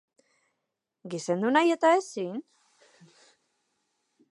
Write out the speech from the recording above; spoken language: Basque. Gizendu nahi eta ezin?